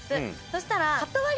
そしたら。